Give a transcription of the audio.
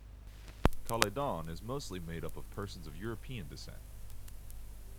Caledon is mostly made up of persons of European descent.